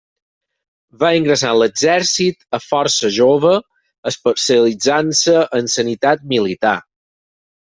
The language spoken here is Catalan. Va ingressar en l'Exèrcit a força jove, especialitzant-se en sanitat militar.